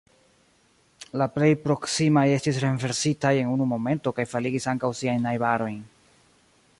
La plej proksimaj estis renversitaj en unu momento kaj faligis ankaŭ siajn najbarojn.